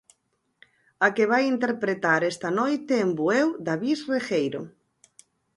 A que vai interpretar esta noite en Bueu David Regueiro.